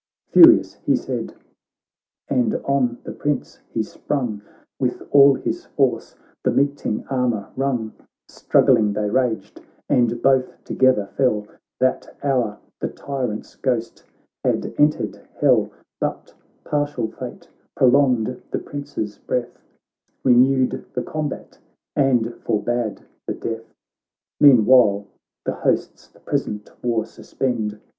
Furious he said, and on the Prince he sprung With all his force, the meeting armour rung, Struggling they raged, and both together fell. That hour the tyrant's ghost had entered hell. But partial fate prolonged the Prince's breath, Renewed the combat, and forbad the death. Meanwhile the hosts the present war suspend.